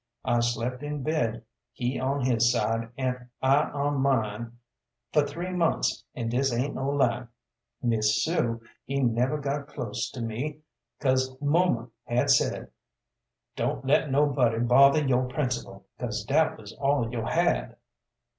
I slept in bed he on his side an' I on mine fer three months an' dis aint no lie. Miss Sue, he never got close to me 'cause muma had sed "Don't let no body bother yo' principle," 'cause dat wuz all yo' had.